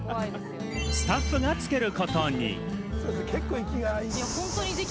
スタッフがつけることに。